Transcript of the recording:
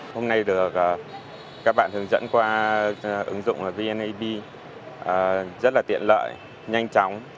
hôm nay được các bạn hướng dẫn qua ứng dụng vneb rất là tiện lợi nhanh chóng